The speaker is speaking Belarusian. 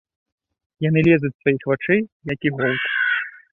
Яны лезуць з тваіх вачэй, як іголкі.